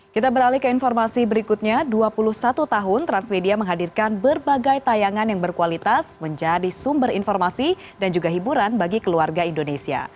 kita beralih ke informasi berikutnya dua puluh satu tahun transmedia menghadirkan berbagai tayangan yang berkualitas menjadi sumber informasi dan juga hiburan bagi keluarga indonesia